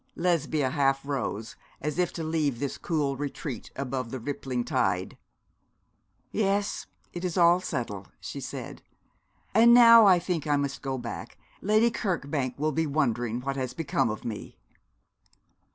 Lesbia half rose, as if to leave this cool retreat above the rippling tide. 'Yes, it is all settled,' she said; 'and now I think I must go back. Lady Kirkbank will be wondering what has become of me.'